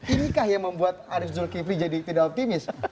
inikah yang membuat arief zulkifli jadi tidak optimis